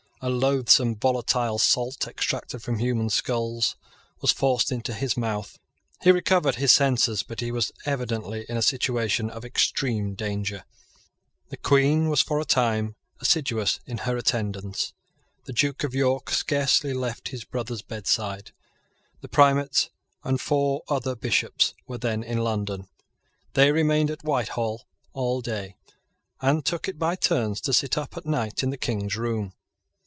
A loathsome volatile salt, extracted from human skulls, was forced into his mouth. He recovered his senses; but he was evidently in a situation of extreme danger. The Queen was for a time assiduous in her attendance. The Duke of York scarcely left his brother's bedside. The Primate and four other bishops were then in London. They remained at Whitehall all day, and took it by turns to sit up at night in the King's room.